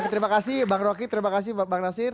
terima kasih bang rocky terima kasih bang nasir